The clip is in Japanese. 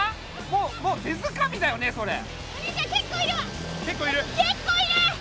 もうもう手づかみだよねそれ。